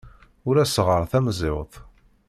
Ur as-ɣɣar tamẓiwt.